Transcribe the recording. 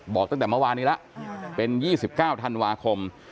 บอกตั้งแต่เมื่อวานนี้แล้วเป็น๒๙ธันวาคม